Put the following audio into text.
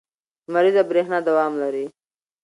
لمریزه برېښنا دوام لري.